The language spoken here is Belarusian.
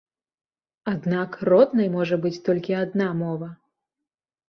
Аднак роднай можа быць толькі адна мова.